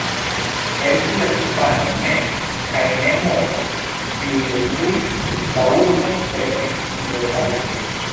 Estis la hispanoj mem kaj ne Morgan, kiuj detruis la urbon per eksplodaĵoj.